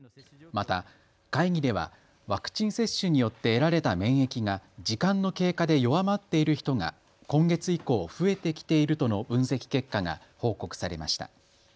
また会議ではワクチン接種によって得られた免疫が時間の経過で弱まっている人が今月以降、増えてきているとの分析結果が報告されました。